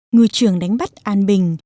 ngư trường đánh bắt an bình